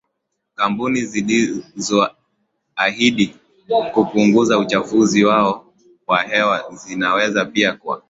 kampuni zilizoahidi kupunguza uchafuzi wao wa hewa zinaweza pia kwa